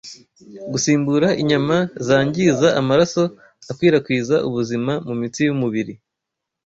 gusimbura inyama zangiza amaraso akwirakwiza ubuzima mu mitsi y’umubiri.